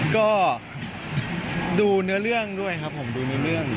ก็ดูเนื้อเรื่องด้วยครับผมดูเนื้อเรื่อง